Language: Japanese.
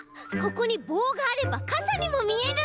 ここにぼうがあればかさにもみえる。